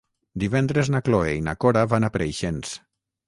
Divendres na Cloè i na Cora van a Preixens.